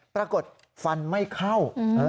ปรากฏฟันไม่เข้า